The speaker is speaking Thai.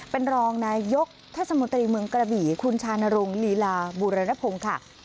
เป็นรองนายกเทศมนตรีเมืองกระบี่คุณชานรงลีลาบูรณพงศ์ค่ะ